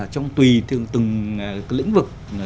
trong tùy từng lĩnh vực